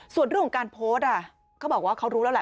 ส่วนเรื่องของการโพสต์เขาบอกว่าเขารู้แล้วแหละ